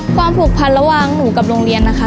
ความผูกพันระหว่างหนูกับโรงเรียนนะคะ